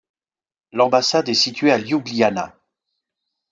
L'ambassade est située à Ljubljana.